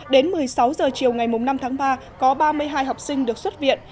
đến một mươi sáu h chiều ngày năm tháng ba có ba mươi hai học sinh được xuất viện